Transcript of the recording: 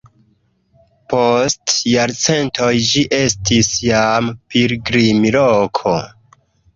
Post jarcentoj ĝi estis jam pilgrimloko.